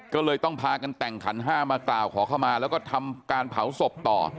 ก็เลยต้องพากันแต่งขันห้ามากล่าวขอเข้ามาแล้วก็ทำการเผาศพต่อ